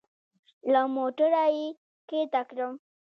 له موټره يې کښته کړم.